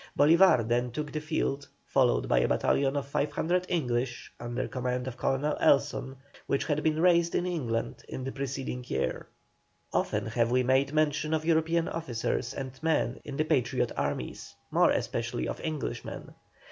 Bolívar then took the field, followed by a battalion of 500 English, under command of Colonel Elsom, which had been raised in England in the preceding year. Often have we made mention of European officers and men in the Patriot armies, more especially of Englishmen.